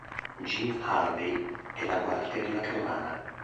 Jim Harvey è la guardia di una carovana.